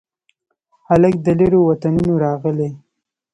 هلک د لیرو وطنونو راغلي